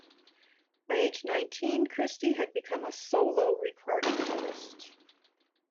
By age nineteen, Christy had become a solo recording artist.